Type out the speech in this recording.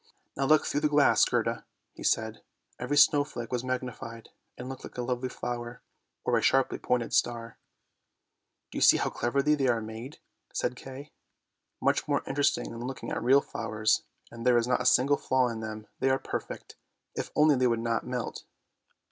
"Now look through the glass, Gerda!" he said; every snow flake was magnified, and looked like a lovely flower, or a sharply pointed star. " Do you see how cleverly they are made," said Kay. " Much more interesting than looking at real flowers, and there is not a single flaw in them, they are perfect, if only they would not melt."